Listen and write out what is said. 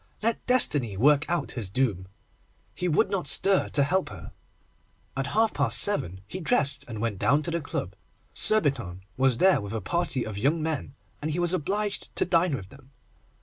Let Destiny work out his doom. He would not stir to help her. At half past seven he dressed, and went down to the club. Surbiton was there with a party of young men, and he was obliged to dine with them.